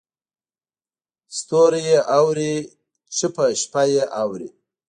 ستوري یې اوري چوپه شپه یې اوري